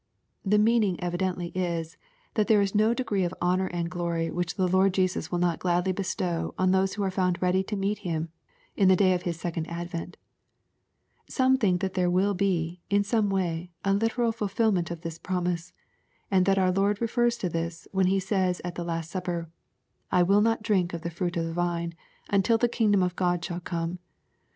The meaning evidently is, that there is no degree of honor and glory which the Lord Jesus will not gladly bestow on those who are found ready to meet Him, in the day of His second advent Some think that there will be, in some way, a literal fulfilment of this promise, and that our Lord refers to this, when he says at the last supper, " I will not drink ^f the fruit of the vine, until the kingdom of Grod shall come."